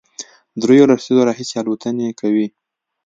درېیو لسیزو راهیسې الوتنې کوي،